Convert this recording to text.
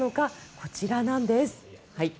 こちらなんです。